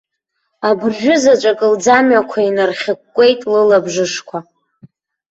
Абыржәы заҵәык лӡамҩақәа инархьыкәкәеит лылабжышқәа.